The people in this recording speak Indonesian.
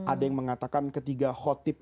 ada yang mengatakan ketiga khotib